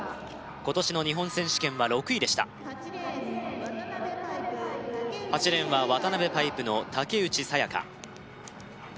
今年の日本選手権は６位でした８レーンは渡辺パイプの竹内爽香